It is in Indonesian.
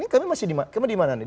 kami masih di mana nih